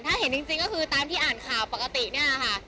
ถ้าเห็นจริงก็คือตามที่อ่านข่าวปกตินี่แหละค่ะ